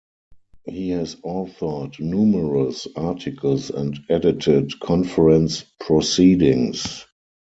He has authored numerous articles and edited conference proceedings.